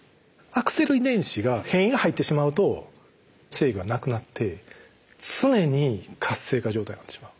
遺伝子が変異が入ってしまうと制御はなくなって常に活性化状態になってしまう。